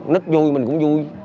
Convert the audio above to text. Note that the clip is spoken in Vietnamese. nít vui mình cũng vui